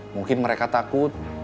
mungkin mereka takut